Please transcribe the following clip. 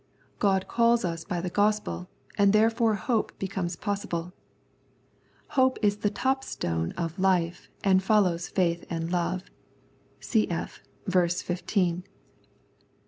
God calls us by the Gospel, and therefore hope becomes possible. Hope is the top stone of life and follows faith and love (cf. ver.